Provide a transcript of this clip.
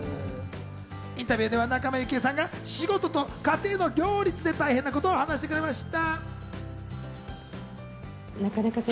インタビューでは仲間由紀恵さんが仕事と家庭の両立で大変なことを話してくれました。